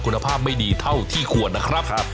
คุณภาพไม่ดีเท่าที่ควรนะครับ